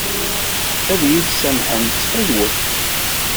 Ad iyi-tsamḥem ttxil-wet?